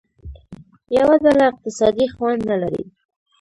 یوه ډله اقتصادي خوند نه لري.